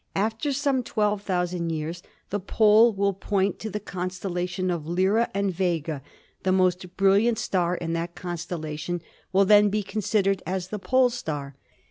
After some 12,000 years the pole will point to the constellation of Lyra, and Vega, the most brilliant star in that constellation, will then be con sidered as the pole star.